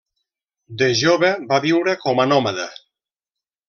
De jove va viure com a nòmada.